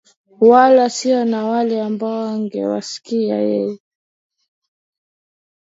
wala sio na wale ambao angewasikia yeye